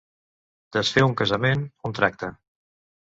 Desfer un casament, un tracte.